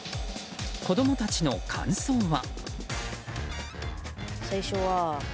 子供たちの感想は。